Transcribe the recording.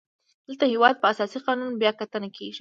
دلته د هیواد په اساسي قانون بیا کتنه کیږي.